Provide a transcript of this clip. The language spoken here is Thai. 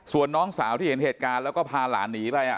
ส่วนน้องสาวที่เห็นเหตุการณ์แล้วก็พาหลานหนีไป